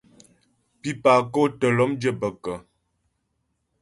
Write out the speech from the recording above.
Pípà kɔ̂t tə́ lɔ́mdyə́ bə kə́ ?